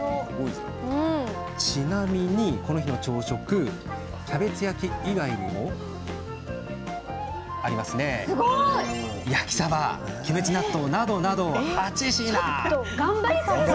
ちなみに、この日の朝食はキャベツ焼き以外にも焼きさばやキムチ納豆などなんと８品。